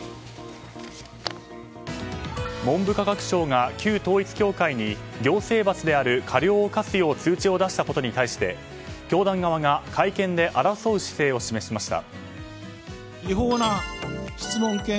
文部科学省が旧統一教会に行政罰である過料を科すよう通知を出したことに対して教団側が会見で争う姿勢を示し巻いた。